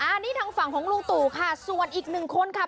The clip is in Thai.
อันนี้ทางฝั่งของลุงตู่ค่ะส่วนอีกหนึ่งคนค่ะ